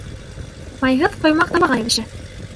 Майһыҙ ҡоймаҡ табаға йәбешә.